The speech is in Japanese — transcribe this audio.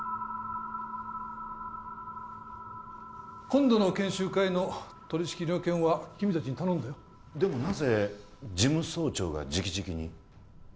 今度の研修会の取り仕切りの件は君達に頼んだよでもなぜ事務総長が直々に？